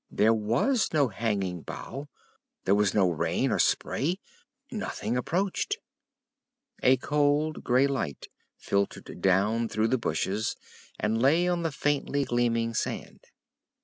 There was no hanging bough; there was no rain or spray; nothing approached. A cold, grey light filtered down through the bushes and lay on the faintly gleaming sand.